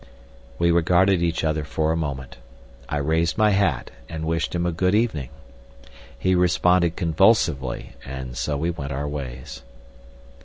We regarded each other for a moment. I raised my hat and wished him a good evening. He responded convulsively, and so we went our ways.